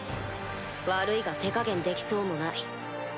悪いが手加減できそうもない。